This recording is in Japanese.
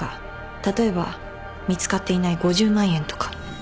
例えば見つかっていない５０万円とか。